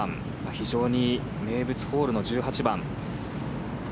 非常に名物ホールの１８番。